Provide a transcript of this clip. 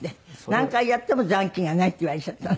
何回やっても「残金がない」っていわれちゃったの。